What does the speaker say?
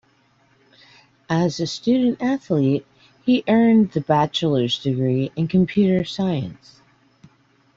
As a student-athlete he earned a bachelor's degree in Computer Science.